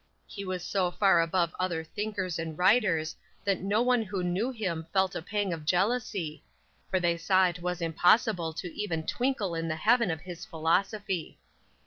He was so far above other thinkers and writers that no one who knew him felt a pang of jealousy, for they saw it was impossible to even twinkle in the heaven of his philosophy.